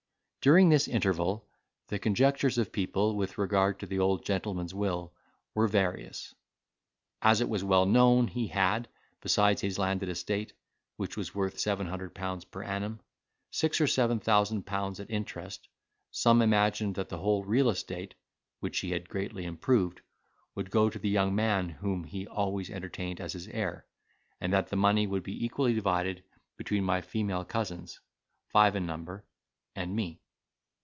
During this interval, the conjectures of people, with regard to the old gentleman's will, were various: as it was well known, he had, besides his landed estate, which was worth £700 per annum, six or seven thousand pounds at interest, some imagined that the whole real estate (which he had greatly improved) would go to the young man whom he always entertained as his heir; and that the money would be equally divided between my female cousins (five in number) and me.